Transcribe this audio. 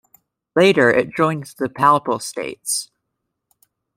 Later it joined the Papal States.